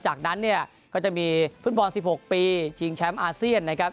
จากนั้นเนี่ยก็จะมีฟุตบอล๑๖ปีชิงแชมป์อาเซียนนะครับ